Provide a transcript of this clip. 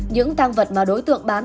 những tăng vật mà đối tượng bán